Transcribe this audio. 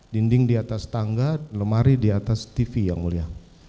dinding di atas tangga lemari di atas tv yang mulia